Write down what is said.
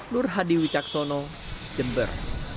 nur hadi wicaksono jember